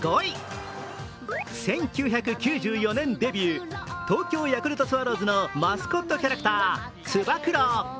１９９４年デビュー、東京ヤクルトスワローズのマスコットキャラクターつば九郎。